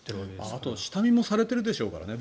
あと下見もされているでしょうからね。